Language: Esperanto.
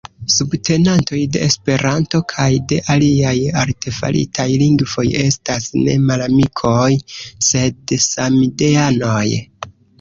Subtenantoj de Esperanto kaj de aliaj artefaritaj lingvoj estas ne malamikoj, sed samideanoj.